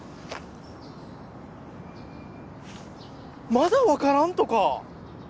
まだわからんとか？